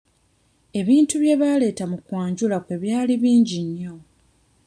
Ebintu bye baaleeta mu kwanjula kwe byali bingi nnyo.